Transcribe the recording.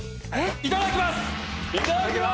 いただきまーす！